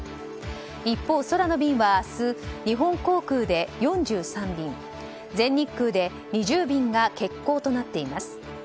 一方、空の便は明日日本航空で４３便全日空で２０便が欠航となっています。